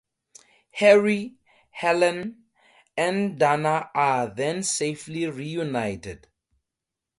Harry, Helen, and Dana are then safely reunited.